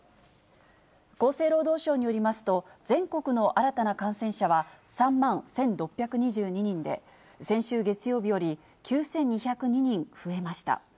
厚生労働省によりますと、全国の新たな感染者は３万１６２２人で、先週月曜日より９２０２人増えました。